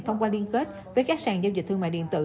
thông qua liên kết với các sàn giao dịch thương mại điện tử